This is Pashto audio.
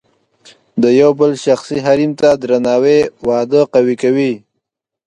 د یو بل شخصي حریم ته درناوی واده قوي کوي.